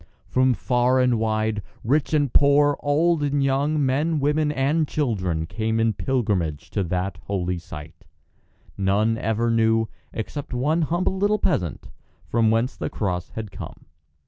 From far and wide, rich and poor, old and young, men, women, and children came in pilgrimage to that holy site. None ever knew, except one humble little peasant, from whence the cross had come.